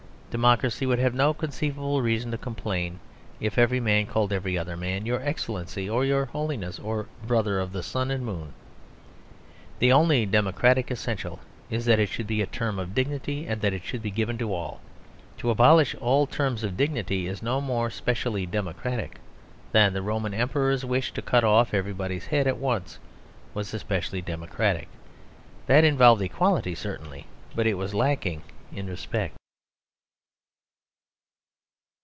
Democracy would have no conceivable reason to complain if every man called every other man "your excellency" or "your holiness" or "brother of the sun and moon." The only democratic essential is that it should be a term of dignity and that it should be given to all. To abolish all terms of dignity is no more specially democratic than the Roman emperor's wish to cut off everybody's head at once was specially democratic. That involved equality certainly, but it was lacking in respect.